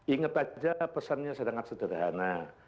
inget saja pesannya sangat sederhana